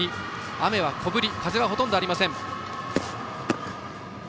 雨は小降り風はほとんどありません。